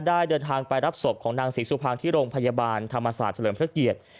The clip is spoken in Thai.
เดินทางไปรับศพของนางศรีสุภางที่โรงพยาบาลธรรมศาสตร์เฉลิมพระเกียรติ